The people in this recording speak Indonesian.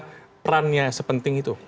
apakah perannya sepenting itu